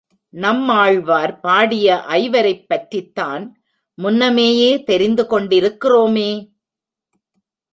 நம்மாழ்வார் பாடிய ஐவரைப் பற்றித்தான் முன்னமேயே தெரிந்து கொண்டிருக்கிறோமே.